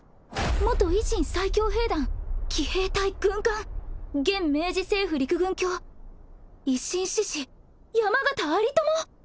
元維新最強兵団奇兵隊軍監現明治政府陸軍卿維新志士山県有朋！